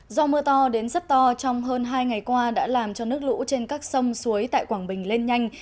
do mưa to đến rất to trong hơn hai ngày qua đã làm cho nước lũ trên các sông suối tại quảng bình lên nhanh